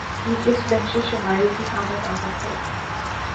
یہ کس بہشت شمائل کی آمد آمد ہے!